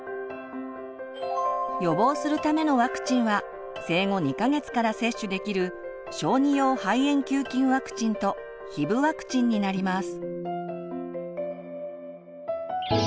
予防するためのワクチンは生後２か月から接種できる小児用肺炎球菌ワクチンとヒブワクチンになります。